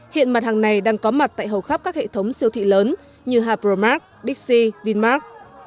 hiện mặt hàng này đang có mặt tại hầu khắp các hệ thống siêu thị lớn như hapromac bixi vinmark